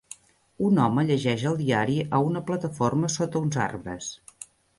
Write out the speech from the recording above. Un home llegeix el diari a una plataforma sota uns arbres